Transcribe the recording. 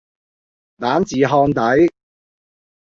蛋治烘底